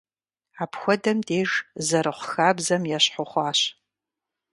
Апхуэдэм деж зэрыхъу хабзэм ещхьу хъуащ.